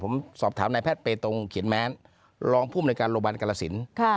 ผมสอบถามนายแพทย์เปรตรงเขียนแม้นรองผู้บริการโรบันกรสินค่ะ